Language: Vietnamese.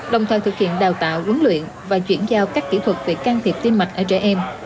đồng thời thực hiện đào tạo huấn luyện và chuyển giao các kỹ thuật về can thiệp tim mạch ở trẻ em